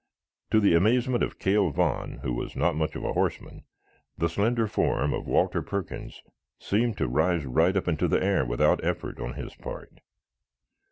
To the amazement of Cal Vaughn, who was not much of a horseman, the slender form of Walter Perkins seemed to rise right up into the air without effort on his part.